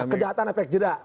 kejahatan efek jerak